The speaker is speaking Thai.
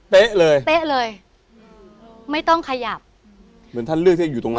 เลยเป๊ะเลยไม่ต้องขยับเหมือนท่านเลือกที่จะอยู่ตรงนั้น